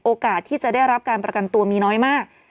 โอกาสที่จะได้รับการประกันตัวมีน้อยมาก